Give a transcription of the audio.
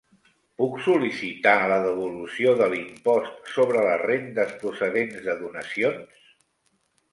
Puc sol·licitar la devolució de l'impost sobre les rendes procedents de donacions?